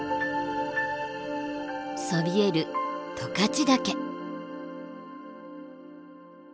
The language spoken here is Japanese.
そびえる十勝岳。